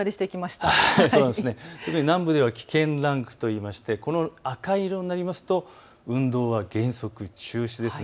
特に南部では危険ランクといいまして赤い色になりますと運動は原則中止です。